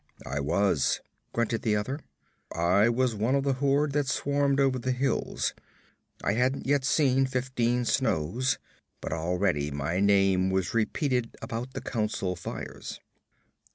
'I was,' grunted the other. 'I was one of the horde that swarmed over the hills. I hadn't yet seen fifteen snows, but already my name was repeated about the council fires.'